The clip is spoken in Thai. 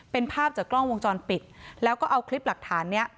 เป็นภาพจากกล้องวงจรปิดแล้วก็เอาคลิปหลักฐานเนี้ย